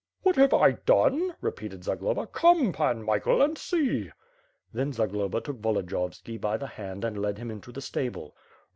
"What have I done," repeated Zagloba, "Come, Pan Michael and see!^' Then Zagloba took Volodiyovski by the hand and led him into the stable.